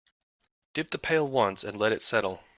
Dip the pail once and let it settle.